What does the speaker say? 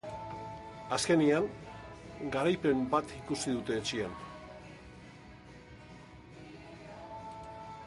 Azkenean, garaipen bat ikusi dute etxean.